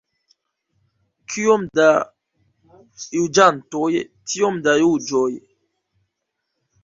Kiom da juĝantoj, tiom da juĝoj.